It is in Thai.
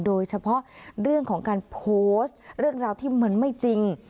โดยเฉพาะเรื่องของการโพสต์เรื่องราวที่มันไม่จริง